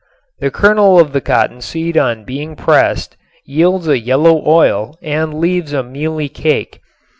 The kernel of the cottonseed on being pressed yields a yellow oil and leaves a mealy cake.